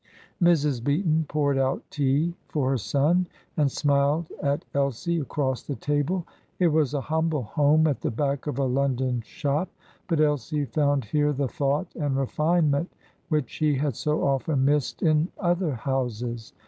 Mrs. Beaton poured out tea for her son, and smiled at Elsie across the table. It was a humble home at the back of a London shop, but Elsie found here the thought and refinement which she had so often missed in other houses.